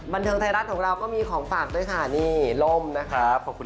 บันเทิงไทยรัฐของเราก็มีของฝากด้วยนะคะนี่ลมนะครับ